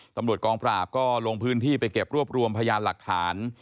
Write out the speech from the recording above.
ตำรวจกองปราบก็ลงพื้นที่ไปเก็บรวบรวมพยานหลักฐาน